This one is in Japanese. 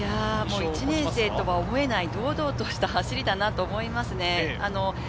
１年生とは思えない、堂々とした走りだと思いますね。